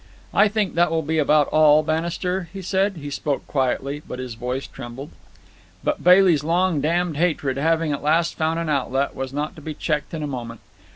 "I think that will be about all, Bannister?" he said. He spoke quietly, but his voice trembled. But Bailey's long dammed hatred, having at last found an outlet, was not to be checked in a moment.